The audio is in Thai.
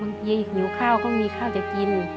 บางทีอยากหิวข้าวก็ไม่มีข้าวจะกิน